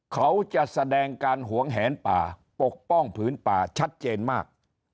เขาจะแสดงการหวงแหนป่าปกป้องผืนป่าชัดเจนมาก